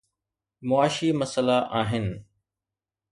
معاشي مسئلا آهن.